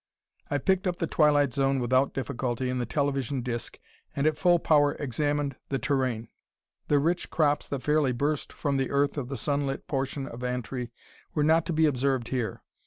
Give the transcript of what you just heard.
I picked up the twilight zone without difficulty in the television disc, and at full power examined the terrain. The rich crops that fairly burst from the earth of the sunlit portion of Antri were not to be observed here.